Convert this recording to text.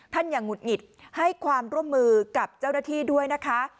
อย่างหุดหงิดให้ความร่วมมือกับเจ้าหน้าที่ด้วยนะคะ